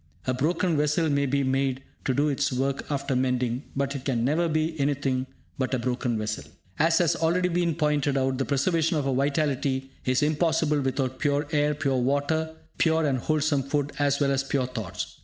A broken vessel may be made to do its work after mending, but it can never be anything but a broken vessel. As has already been pointed out, the preservation of our vitality is impossible without pure air, pure water, pure and wholesome food, as well as pure thoughts.